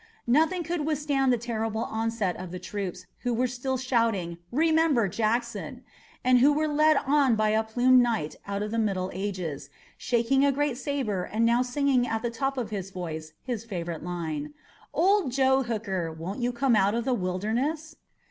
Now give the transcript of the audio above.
Nothing could withstand the terrible onset of the troops who were still shouting "Remember Jackson!" and who were led on by a plumed knight out of the Middle Ages, shaking a great sabre and now singing at the top of his voice his favorite line, "Old Joe Hooker, won't you come out of the Wilderness?"